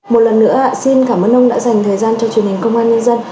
một lần nữa xin cảm ơn ông đã dành thời gian cho truyền hình công an nhân dân